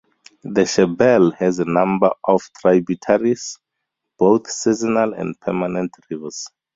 The Shebelle has a number of tributaries, both seasonal and permanent rivers.